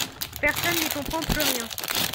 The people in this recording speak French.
Personne n’y comprend plus rien.